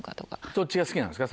どっちが好きなんですか？